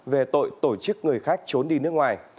về tội tổ chức người khác trốn đi nước ngoài